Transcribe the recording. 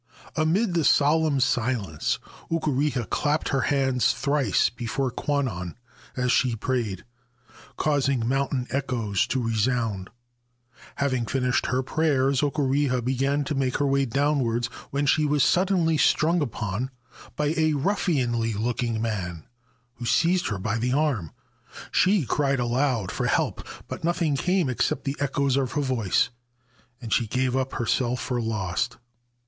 Amid the solemn silence Okureha clapped her hands thrice before Kwannon as she prayed, causing mountain echoes to resound. Having finished her prayers, Okureha began to make her 178 OKUREHA IS SAVED BY THE GODDESS The Perpetual Life Giving Wine way downwards, when she was suddenly sprung upon by a ruffianly looking man, who seized her by the arm. She cried aloud for help ; but nothing came except the echoes of her voice, and she gave herself up for lost.